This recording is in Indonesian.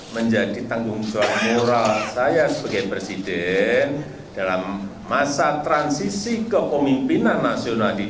menjadi tanggung jawab moral saya sebagai presiden dalam masa transisi kepemimpinan nasional di dua ribu